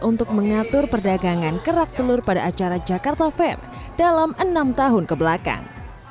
untuk mengatur perdagangan kerak telur pada acara jakarta fair dalam enam tahun kebelakang